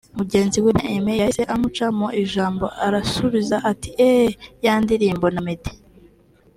Mugenzi we Bien-Aimé yahise amuca mu ijambo arasubiza ati “eeeh ya ndirimbo na Meddy